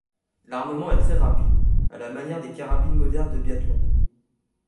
L'armement est très rapide, à la manière des carabines modernes de biathlon.